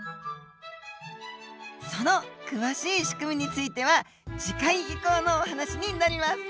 その詳しい仕組みについては次回以降のお話になります。